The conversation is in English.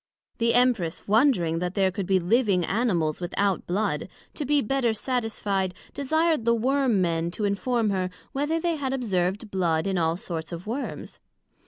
The Empress wondring that there could be living Animals without Blood, to be better satisfied, desired the Worm men to inform her, whether they had observed Blood in all sorts of Worms?